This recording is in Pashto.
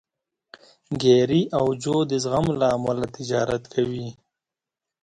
ګېري او جو د زغم له امله تجارت کوي.